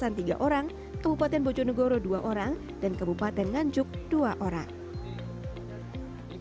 kabupaten bojonegorong tiga orang kabupaten bojonegorong dua orang dan kabupaten nganjuk dua orang